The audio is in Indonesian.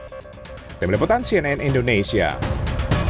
ke unit laka lantas polres tambas surabaya dan menuntut pelaku untuk bertanggung jawab